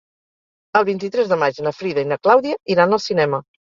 El vint-i-tres de maig na Frida i na Clàudia iran al cinema.